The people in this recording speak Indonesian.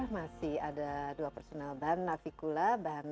masih ada dua